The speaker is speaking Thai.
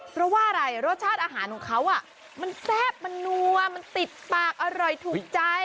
เพราะว่าอะไรรสชาติอาหารของเขามันแซ่บมันนัวมันติดปากอร่อยถูกใจ